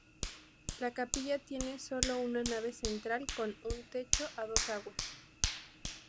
La capilla tiene solo una nave central con un techo a dos aguas.